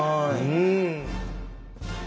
うん！